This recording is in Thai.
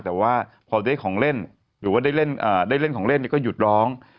แต่ว่าพอได้ของเล่นหรือว่าได้เล่นของเล่นก็หยุดร้อง